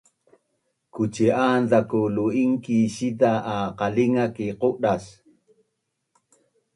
Kuci’an zaku lu’ingki’ siza’ a qalinga ki qudas